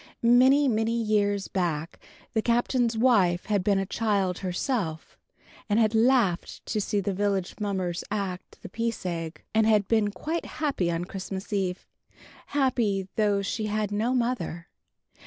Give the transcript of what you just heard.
II. Many, many years back the Captain's wife had been a child herself, and had laughed to see the village mummers act "The Peace Egg," and had been quite happy on Christmas Eve. Happy, though she had no mother.